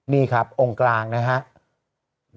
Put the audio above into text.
นี่ครับองค์กลางนะครับ